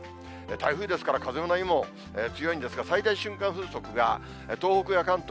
台風ですから、風も波も強いんですが、最大瞬間風速が東北や関東